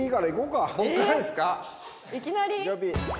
いきなり？